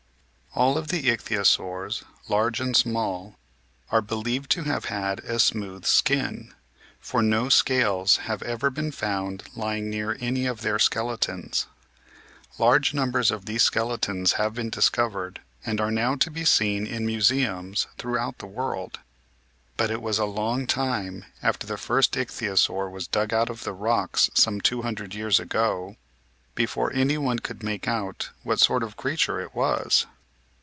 All of the Ichthyosaurs, large and small, are believed to have had a smooth skin, for no scales have ever been found lying near any of their skele tons. Large numbers of these skeletons have been discovered and are now to be seen in museums throughout the world. But it was a long time after the first Ichthyosaur was dug out of the rocks some two hundred years ago, before any one could make out what sort of creature it was.